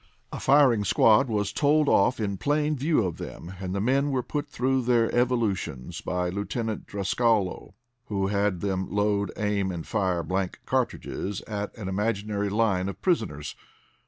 A firing squad was told off in plain view of them, and the men were put through their evolutions by Lieutenant Drascalo, who had them load, aim and fire blank cartridges at an imaginary line of prisoners.